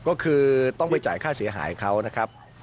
ก็คือต้องไปจ่ายค่าเสียหายเขานะครับ